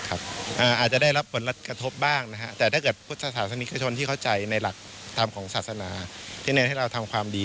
อาจจะได้รับผลกระทบบ้างนะฮะแต่ถ้าเกิดพุทธศาสนิกชนที่เข้าใจในหลักธรรมของศาสนาที่เน้นให้เราทำความดี